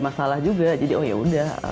masalah juga jadi oh yaudah